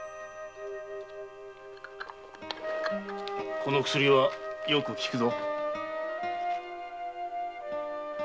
この薬はよく利くぞ。